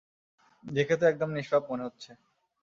দেখে তো একদম নিষ্পাপ মনে হচ্ছে।